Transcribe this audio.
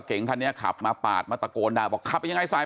เก๋งคันนี้ขับมาปาดมาตะโกนด่าบอกขับยังไงซ้าย